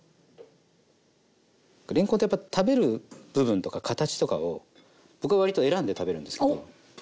れんこんってやっぱ食べる部分とか形とかを僕は割と選んで食べるんですけど。